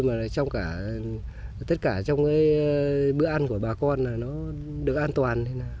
mà trong cả tất cả trong bữa ăn của bà con là nó được an toàn